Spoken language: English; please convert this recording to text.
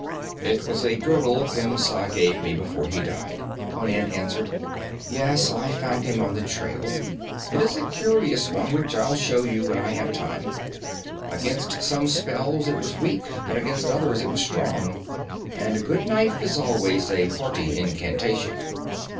'It was a girdle Khemsa gave me before he died,' Conan answered. 'Yes, I found him on the trail. It is a curious one, which I'll show you when I have time. Against some spells it was weak, but against others it was strong, and a good knife is always a hearty incantation.'